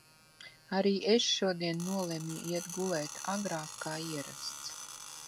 Arī es šodien nolemju iet gulēt agrāk kā ierasts.